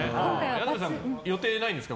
谷田部さんは予定ないんですか？